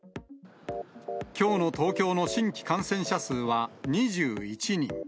きょうの東京の新規感染者数は２１人。